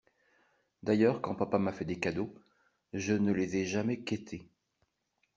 D'ailleurs, quand papa m'a fait des cadeaux, je ne les ai jamais quêtés.